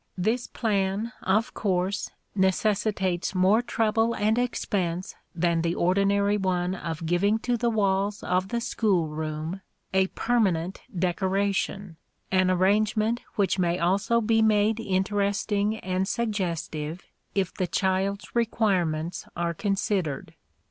This plan of course necessitates more trouble and expense than the ordinary one of giving to the walls of the school room a permanent decoration: an arrangement which may also be made interesting and suggestive, if the child's requirements are considered.